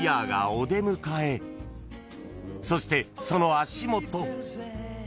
［そしてその足元］